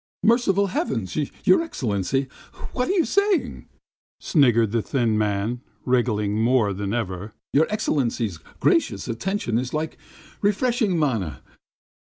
"Merciful heavens, your Excellency! What are you saying. ..?" sniggered the thin man, wriggling more than ever. "Your Excellency's gracious attention is like refreshing manna.